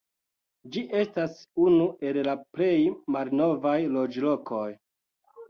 Ĝi estas unu el la plej malnovaj loĝlokoj.